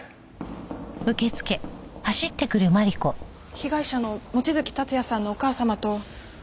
被害者の望月達也さんのお母様と。